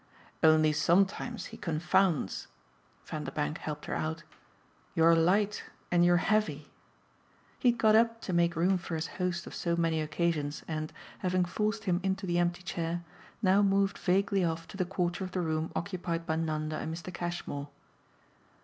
"Only sometimes he confounds" Vanderbank helped her out "your light and your heavy!" He had got up to make room for his host of so many occasions and, having forced him into the empty chair, now moved vaguely off to the quarter of the room occupied by Nanda and Mr. Cashmore.